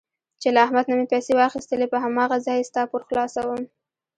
چې له احمد نه مې پیسې واخیستلې په هماغه ځای ستا پور خلاصوم.